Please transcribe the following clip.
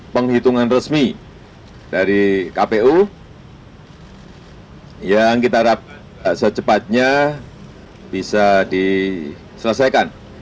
penghitungan resmi dari kpu yang kita harap secepatnya bisa diselesaikan